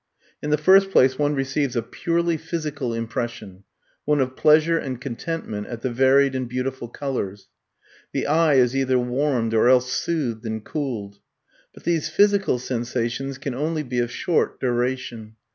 In the first place one receives a PURELY PHYSICAL IMPRESSION, one of pleasure and contentment at the varied and beautiful colours. The eye is either warmed or else soothed and cooled. But these physical sensations can only be of short duration.